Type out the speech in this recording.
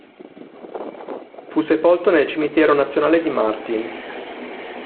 Fu sepolto nel Cimitero nazionale di Martin.